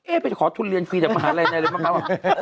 เอ๊ไปขอทุนเรียนฟรีจากมหาลัยอะไรบ้างมั้ย